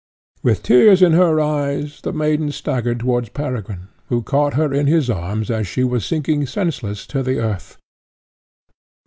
With tears in her eyes the maiden staggered towards Peregrine, who caught her in his arms as she was sinking senseless to the earth.